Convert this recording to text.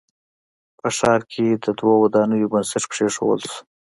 په ښار کښې د دوو ودانیو بنسټ کېښودل شو